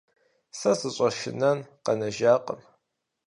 Сэ сыщӏэшынэн къэнэжакъым.